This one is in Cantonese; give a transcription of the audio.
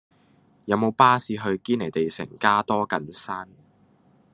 有無巴士去堅尼地城加多近山